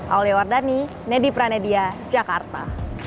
aulia wardani nedi pranedia jakarta